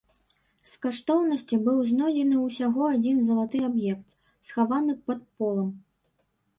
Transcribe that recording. З каштоўнасцей быў знойдзены ўсяго адзін залаты аб'ект, схаваны пад полам.